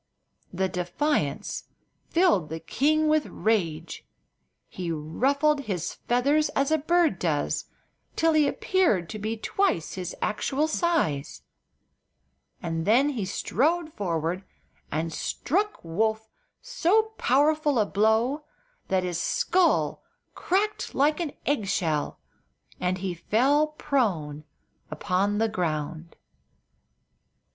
The defiance filled the king with rage. He ruffled his feathers as a bird does, till he appeared to be twice his actual size, and then he strode forward and struck Woof so powerful a blow that his skull crackled like an egg shell and he fell prone upon the ground.